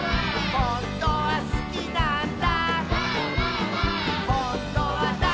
「ほんとはだいすきなんだ」